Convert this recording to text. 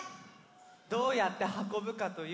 どうやってはこぶかというと。